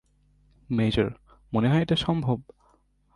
Major, মনে হয় এটা সম্ভব?